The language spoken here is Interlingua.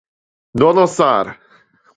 Non osar!